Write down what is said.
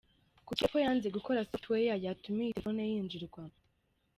Kuki Apple yanze gukora Software yatuma iyi telefoni yinjirwamo ?.